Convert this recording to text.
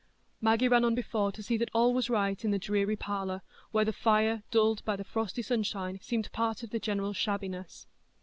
Maggie ran on before to see that all was right in the dreary parlour, where the fire, dulled by the frosty sunshine, seemed part of the general shabbiness.